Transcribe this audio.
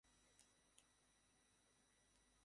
বাসার সবখানে খুঁজেছি।